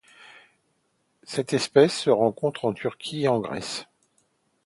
Cette espèce se rencontre en Turquie et en Grèce.